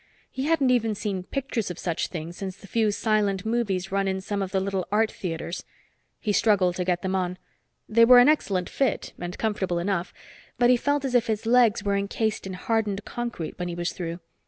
He hadn't seen even pictures of such things since the few silent movies run in some of the little art theaters. He struggled to get them on. They were an excellent fit, and comfortable enough, but he felt as if his legs were encased in hardened concrete when he was through.